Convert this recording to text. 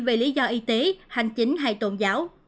về lý do y tế hành chính hay tôn giáo